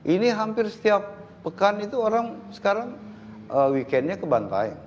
ini hampir setiap pekan itu orang sekarang weekendnya ke bantai